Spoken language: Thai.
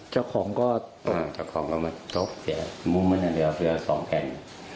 เจ้าของก็อืมเจ้าของก็มาตกเสียมุมมันอันเดียวเพื่อสองแผ่น